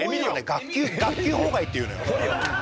学級崩壊っていうのよ。